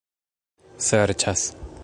serĉas